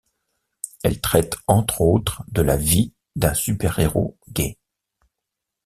Elle traite entre autres de la vie d'un super héros gay.